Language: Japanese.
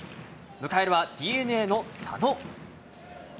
迎えるはＤｅＮＡの佐野。